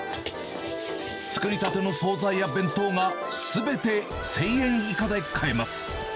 作りたての総菜や弁当がすべて１０００円以下で買えます。